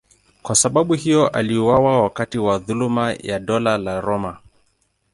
Kwa sababu hiyo aliuawa wakati wa dhuluma ya Dola la Roma.